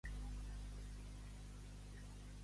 El sago és l'aliment principal dels Nuaulu.